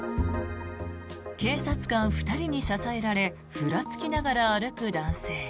警察官２人に支えられふらつきながら歩く男性。